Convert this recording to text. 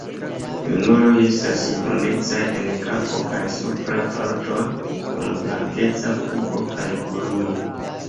Junuloj estas brunecaj en kapo kaj supraj partoj, kun blankeca pugo kaj kolumo.